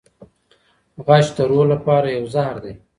غچ د روح لپاره یو زهر دی.